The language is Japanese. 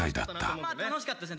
まあ、楽しかったですよね。